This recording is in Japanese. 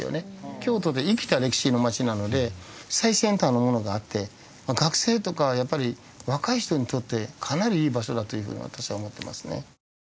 京都って生きた歴史の町なので最先端のものがあって学生とかやっぱり若い人にとってかなりいい場所だというふうに私は思ってますね